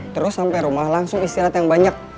terus sampai rumah langsung istirahat yang banyak